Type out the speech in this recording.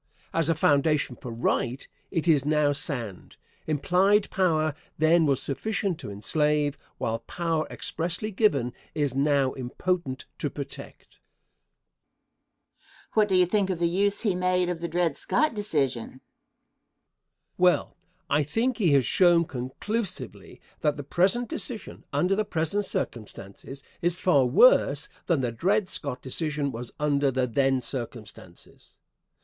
As a foundation for right, it is now sand. Implied power then was sufficient to enslave, while power expressly given is now impotent to protect. Question. What do you think of the use he has made of the Dred Scott decision? Answer. Well, I think he has shown conclusively that the present decision, under the present circumstances, is far worse than the Dred Scott decision was under the then circumstances.